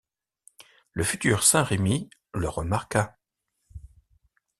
Le futur saint Rémi le remarqua.